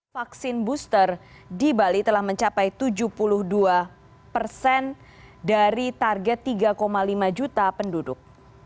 vaksin booster di bali telah mencapai tujuh puluh dua persen dari target tiga lima juta penduduk